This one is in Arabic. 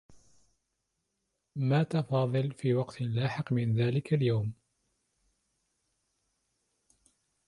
مات فاضل في وقت لاحق من ذلك اليوم.